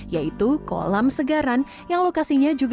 yaitu kolam segaran yang lokasinya juga